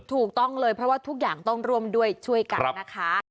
ถูกต้องเลยเพราะว่าทุกอย่างต้องร่วมด้วยช่วยกันนะคะ